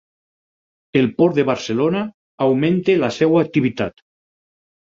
El Port de Barcelona augmenta la seva activitat